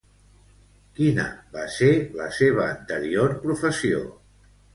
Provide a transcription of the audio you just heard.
Quina va ser la seva anterior professió?